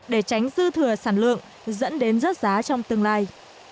để tránh dư thừa sản lượng dẫn đến rớt giá trong tương lai